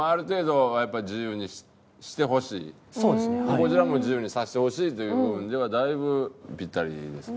こちらも自由にさせてほしいという部分ではだいぶピッタリですけどね。